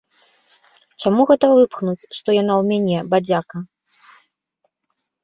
Чаму гэта выпхнуць, што яна ў мяне, бадзяка?